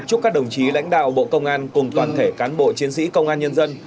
chúc các đồng chí lãnh đạo bộ công an cùng toàn thể cán bộ chiến sĩ công an nhân dân